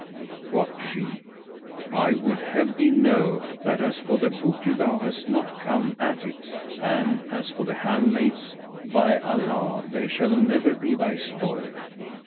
Quoth she, "I would have thee know that as for the booty thou hast not come at it; and, as for the handmaids, by Allah, they shall never be thy spoil.